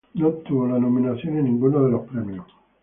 No obtuvo la nominación en ninguno de los premios.